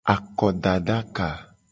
Akodadaka.